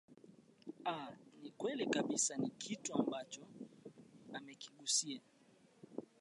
aa ni kweli kabisa ni kitu ambacho amekigusia